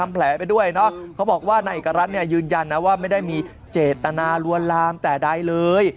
ไม่ได้มีเจตนาลัวลามแต่ใดเลย